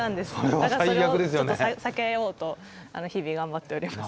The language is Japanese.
だからそれをちょっとさけようと日々がんばっております。